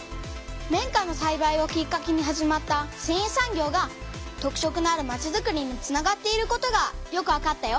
綿花のさいばいをきっかけに始まったせんい産業が特色のあるまちづくりにつながっていることがよくわかったよ。